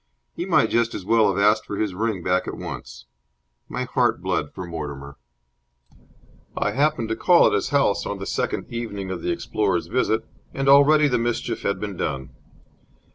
He might just as well have asked for his ring back at once. My heart bled for Mortimer. I happened to call at his house on the second evening of the explorer's visit, and already the mischief had been done.